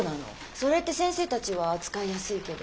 それって先生たちは扱いやすいけど。